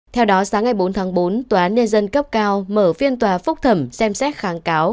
theo đó sáng ngày bốn tháng bốn tòa án nhân dân cấp cao mở phiên tòa phúc thẩm xem xét kháng cáo